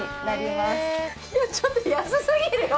いやちょっと安すぎるよ。